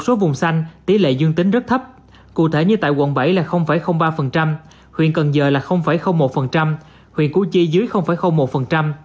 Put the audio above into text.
số vùng xanh tỷ lệ dương tính rất thấp cụ thể như tại quận bảy là ba huyện cần giờ là một